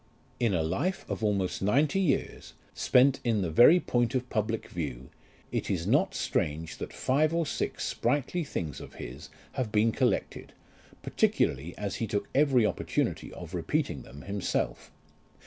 In a life of almost ninety years, spent in the very point of public view, it is not strange that five or six sprightly things of his have been collected, particularly as he took every opportunity of repeating them himself.